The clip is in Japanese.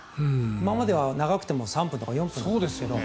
今までは長くても３分とか４分だったんですが。